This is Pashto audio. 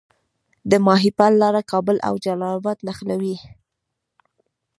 د ماهیپر لاره کابل او جلال اباد نښلوي